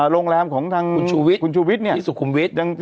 โรงแรมของทางคุณชูวิทย์ที่สุขุมวิทย์